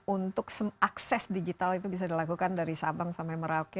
untuk akses digital itu bisa dilakukan dari sabang sampai merauke